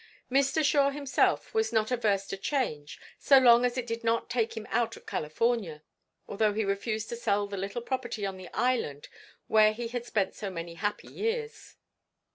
Mr. Shore himself was not averse to change so long as it did not take him out of California, although he refused to sell the little property on the island where he had spent so many happy years.